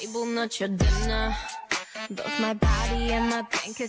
แบลล่าแบลล่าแบลล่าแบลล่าแบลล่า